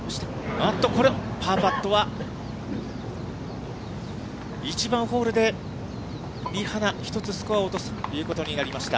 あっと、これ、パーパットは、１番ホールでリ・ハナ、１つスコアを落とすということになりました。